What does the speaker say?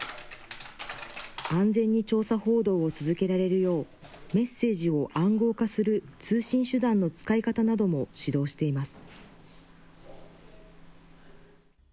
安全に調査報道を続けられるよう、メッセージを暗号化する通信手段の使い方なども指導しています。